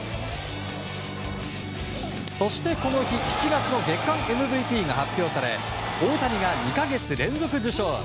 そして、この日７月の月間ＭＶＰが発表され大谷が２か月連続受賞。